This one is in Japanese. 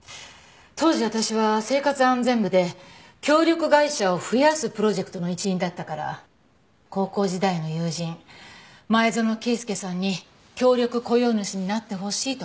当時私は生活安全部で協力会社を増やすプロジェクトの一員だったから高校時代の友人前園慶介さんに協力雇用主になってほしいと頼んだの。